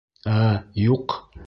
Ә, юҡ!